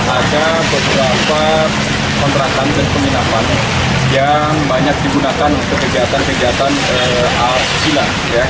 ada beberapa kontrakan dan penginapan yang banyak digunakan untuk kegiatan kegiatan asusila